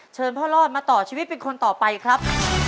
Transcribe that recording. เชิญพ่อรอดมาต่อชีวิตเป็นคนต่อไปครับ